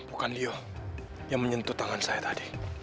bukan dia yang menyentuh tangan saya tadi